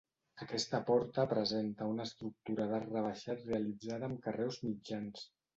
Aquesta porta presenta una estructura d'arc rebaixat realitzada amb carreus mitjans.